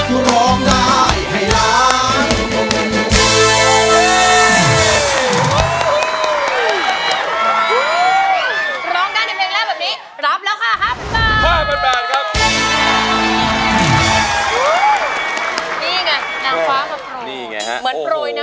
เหมือนโปรดน้ำทิพย์นะตอนนี้นะ